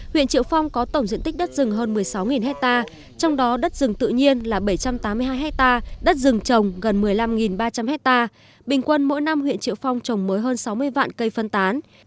huyện triệu phong có tổng diện tích đất rừng hơn một mươi sáu hectare trong đó đất rừng tự nhiên là bảy trăm tám mươi hai hectare đất rừng trồng gần một mươi năm ba trăm linh hectare bình quân mỗi năm huyện triệu phong trồng mới hơn sáu mươi vạn cây phân tán